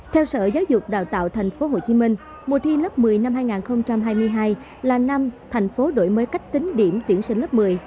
theo sở giáo dục đào tạo tp hcm mùa thi lớp một mươi năm hai nghìn hai mươi hai là năm thành phố đổi mới cách tính điểm tuyển sinh lớp một mươi